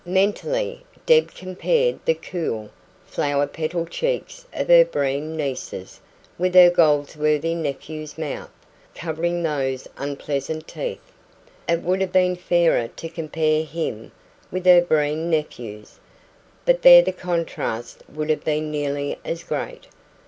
Mentally, Deb compared the cool, flower petal cheeks of her Breen nieces with her Goldsworthy nephew's mouth, covering those unpleasant teeth. It would have been fairer to compare him with her Breen nephews, but there the contrast would have been nearly as great.